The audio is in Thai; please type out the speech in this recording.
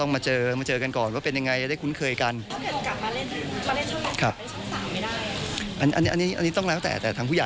เมื่อเริ่มอะไรอย่างนั้นค่ะ